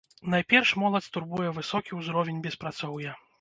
Найперш моладзь турбуе высокі ўзровень беспрацоўя.